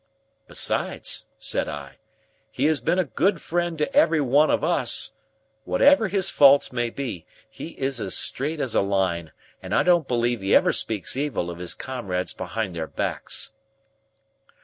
"Besides," said I, "he has been a good friend to every one of us. Whatever his faults may be, he is as straight as a line, and I don't believe he ever speaks evil of his comrades behind their backs."